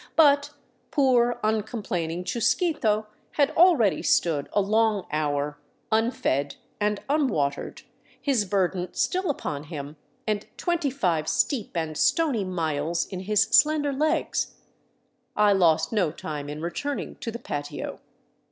But poor, uncomplaining Chusquito had already stood a long hour unfed and unwatered, his burden still upon him and twenty five steep and stony miles in his slender legs. I lost no time in returning to the patio.